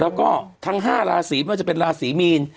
แล้วก็ทั้ง๕ราศีไม่ว่าจะเป็นราศีมีน